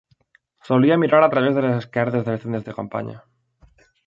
Solia mirar a través de les esquerdes de les tendes de campanya.